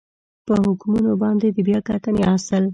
په حکمونو باندې د بیا کتنې اصل